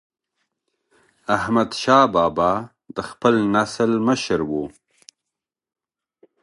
احمدشاه بابا د خپل نسل مشر و.